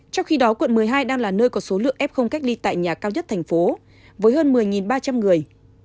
trong khi đó quận một mươi hai đang là nơi có số lượng f cách ly tại nhà cao nhất thành phố với hơn một mươi ba trăm linh người